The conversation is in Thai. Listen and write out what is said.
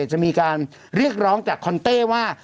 จะมีการเรียกร้องจากคอนเต้ว่า